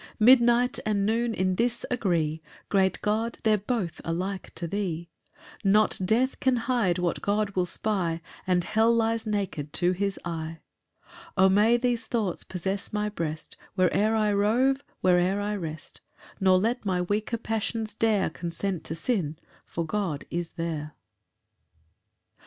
12 Midnight and noon in this agree, Great God, they're both alike to thee: Not death can hide what God will spy, And hell lies naked to his eye. 13 "O may these thoughts possess my breast, "Where'er I rove where'er I rest! "Nor let my weaker passions dare "Consent to sin, for God is there."